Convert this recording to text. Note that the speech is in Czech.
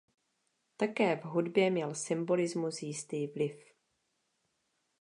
Také v hudbě měl symbolismus jistý vliv.